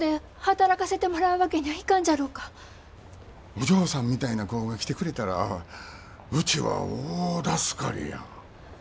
お嬢さんみたいな子が来てくれたらうちは大助かりや。